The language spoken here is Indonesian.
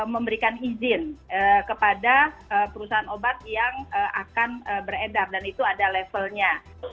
memberikan izin kepada perusahaan obat yang akan beredar dan itu ada levelnya